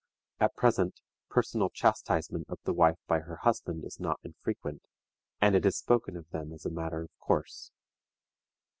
At present, personal chastisement of the wife by her husband is not infrequent, and it is spoken of by them as a matter of course.